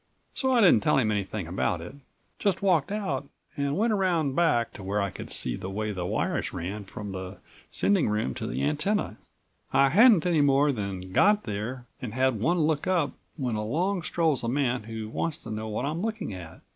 So I didn't tell him anything about it; just walked out and went around back to where I could see the way his wires ran from the sending room to the antenna. "I hadn't any more than got there and had one look up when along strolls a man who wants to know what I'm looking at.